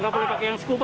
gak boleh pake yang skuba